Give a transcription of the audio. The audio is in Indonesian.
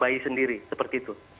bayi sendiri seperti itu